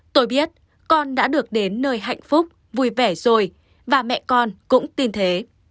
tôi biết con đã được đến nơi hạnh phúc vui vẻ rồi và mẹ con cũng tin thế